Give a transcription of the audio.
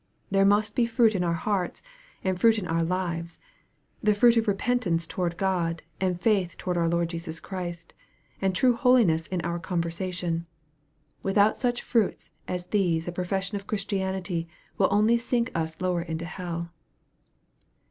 There must be fruit in our hearts and fruit in our lives, the fruit of repentance toward God, and faith toward our Lord Jesus Christ, and true holiness in our conversation. Without such fruits as these a profession of Christianity will only sink us lower into hell.